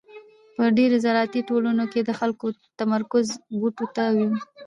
په ډېرو زراعتي ټولنو کې د خلکو تمرکز بوټو ته و.